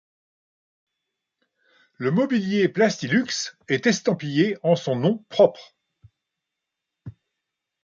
Le mobilier Plastilux est estampillé en son nom propre.